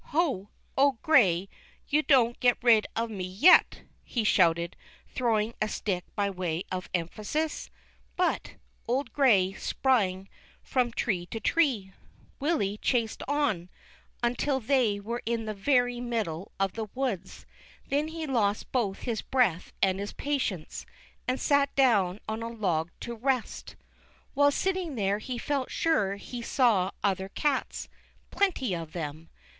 " Ho ! Old Gray, you don't get rid of me yet !" he shouted, throwing a stick by way of emphasis. But " Old Gray " sprang from tree to tree. Willy 356 THE CHILDREN'S WONDER BOOK. chased on, until they were in the very middle of the woods ; then he lost both his breath and his patience, and sat down on a log to rest. While sitting there he felt sure he saw other cats, plenty of them.